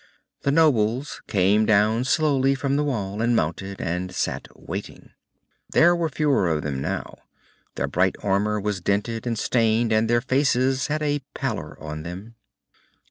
The nobles came down slowly from the Wall and mounted, and sat waiting. There were fewer of them now. Their bright armor was dented and stained, and their faces had a pallor on them.